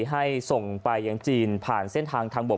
ให้ส่งไปยังจีนผ่านเส้นทางทางบก